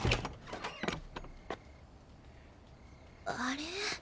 あれ？